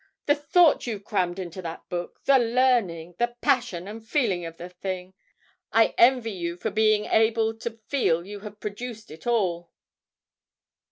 The thought you've crammed into that book, the learning, the passion and feeling of the thing! I envy you for being able to feel you have produced it all.'